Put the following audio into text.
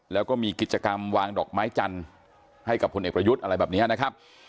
แล้วก็มีกิจกรรมวางดอกไม้จันทร์ให้กับพลเอกประยุทธ์อะไรแบบนี้นะครับ